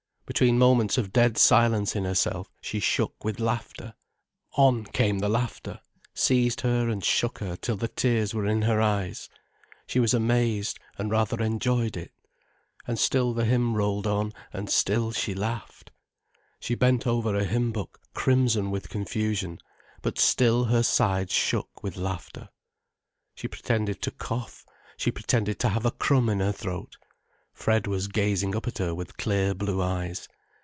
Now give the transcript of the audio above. Between moments of dead silence in herself she shook with laughter. On came the laughter, seized her and shook her till the tears were in her eyes. She was amazed, and rather enjoyed it. And still the hymn rolled on, and still she laughed. She bent over her hymn book crimson with confusion, but still her sides shook with laughter. She pretended to cough, she pretended to have a crumb in her throat. Fred was gazing up at her with clear blue eyes.